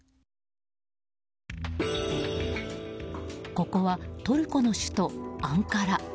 ここはトルコの首都アンカラ。